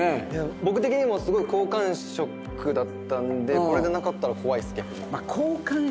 僕的にもすごい好感触だったのでこれでなかったら怖いです逆に。